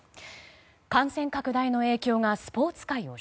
感染拡大の影響がスポーツ界を